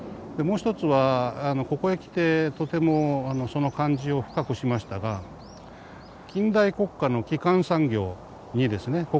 もう一つはここへ来てとてもその感じを深くしましたが近代国家の基幹産業にですね